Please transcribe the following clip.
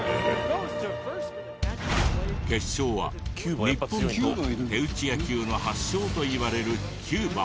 決勝は日本と手打ち野球の発祥といわれるキューバ。